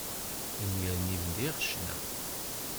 Imiren i bdiɣ ccna.